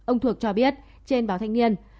ông thuộc cho biết trên báo thanh niên